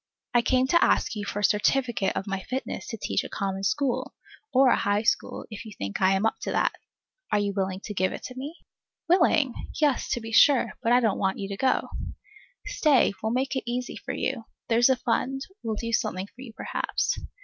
I came to ask you for a certificate of my fitness to teach a common school, or a high school, if you think I am up to that. Are you willing to give it to me? Willing? Yes, to be sure, but I don't want you to go. Stay; we'll make it easy for you. There's a fund will do something for you, perhaps.